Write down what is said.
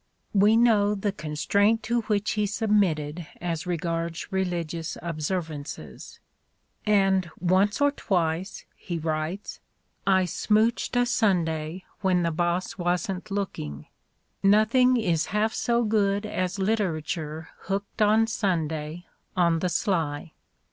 "We know the constraint to which he submitted as regards religious observances. "And once or twice," he writes, "I smouched a Sunday when the boss wasn't 184 The Ordeal of Mark Twain looking. Nothing is half so good as literature hooked on Sunday, on the sly."